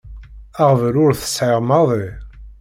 Aɣbel ur t-sɛiɣ maḍi.